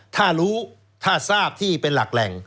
ถ้ารู้ถ้าทราบที่เป็นหลักแหล่ง